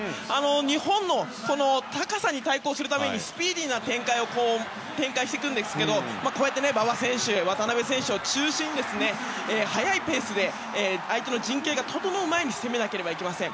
日本の高さに対抗するためにスピーディーな展開をしていくんですけど馬場選手、渡邊選手を中心に速いペースで相手の陣形が整う前に攻めなければなりません。